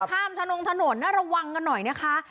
ข้ามถนนน่าระวังกันหน่อยนะคะ